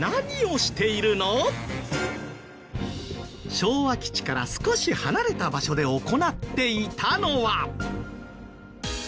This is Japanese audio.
昭和基地から少し離れた場所で行っていたのは。